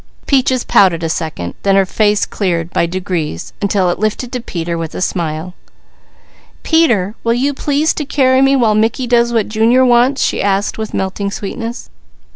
Peaches pouted a second, then her face cleared by degrees, until it lifted to Peter with a smile. "Peter, will you please to carry me while Mickey does what Junior wants?" she asked with melting sweetness.